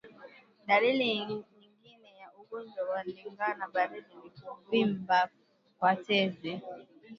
Dalili nyingine ya ugonjwa wa ndigana baridi ni kuvimba kwa tezi